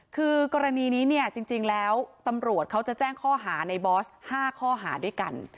คือกรณีนี้เนี่ยจริงแล้วตำรวจเขาจะแจ้งข้อหาในบอส๕ข้อหาด้วยกัน